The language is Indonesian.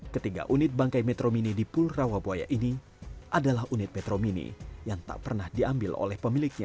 ketiga unit bangkai metro mini di pul rawabuaya ini adalah unit metro mini yang tak pernah diambil oleh pemiliknya